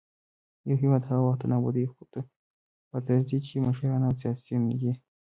يـو هـېواد هـغه وخـت د نـابـودۍ خـواتـه ځـي ،چـې مـشران او سـياسيون يـې